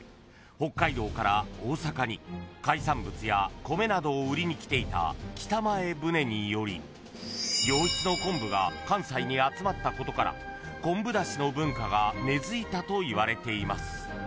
北海道から大坂に海産物や米などを売りに来ていた北前船により良質の昆布が関西に集まったことから昆布だしの文化が根付いたといわれています］